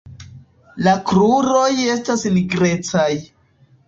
La kruroj estas nigrecaj.